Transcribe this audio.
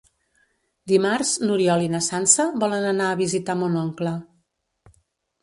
Dimarts n'Oriol i na Sança volen anar a visitar mon oncle.